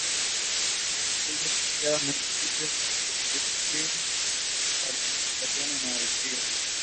They also come to light.